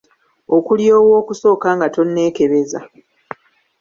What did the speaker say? Okulyowa okusooka nga tonneekebeza.